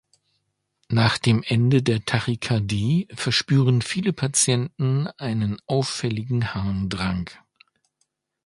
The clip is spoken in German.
Nach dem Ende der Tachykardie verspüren viele Patienten einen auffälligen Harndrang.